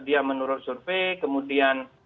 dia menurut survei kemudian